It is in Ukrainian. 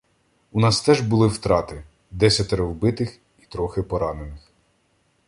У нас теж були втрати — десятеро вбитих і трохи поранених.